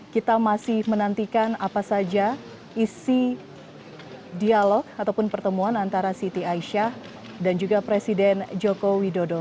kita masih menantikan apa saja isi dialog ataupun pertemuan antara siti aisyah dan juga presiden joko widodo